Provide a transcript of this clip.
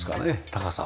高さ。